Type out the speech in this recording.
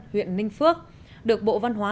huyện ninh phước được bộ văn hóa